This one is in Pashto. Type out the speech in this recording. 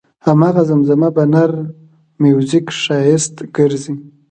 هماغه زمزمه په نر میوزیک ښایسته ګرځي.